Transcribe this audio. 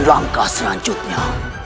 dan langkah selanjutnya